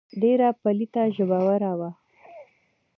ډېره پليته ژبوره وه.